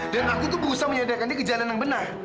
dan aku tuh berusaha menyadarkan dia ke jalan yang benar